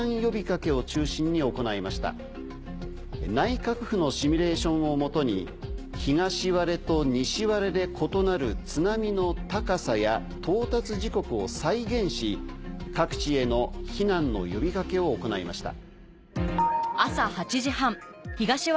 内閣府のシミュレーションを元に東割れと西割れで異なる津波の高さや到達時刻を再現し各地への避難の呼びかけを行いました。